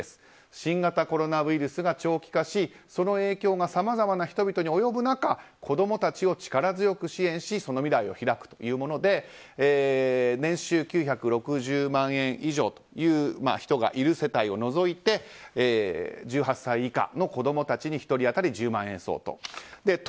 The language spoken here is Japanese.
新型コロナウイルスが長期化しその影響がさまざまな人々に及ぶ中子供たちを力強く支援しその未来を拓くというもので年収９６０万円以上という人がいる世帯を除いて１８歳以下の子供たちに１人当たり１０万円相当。